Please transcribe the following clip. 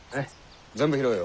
全部拾えよ。